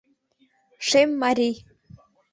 Шем марий.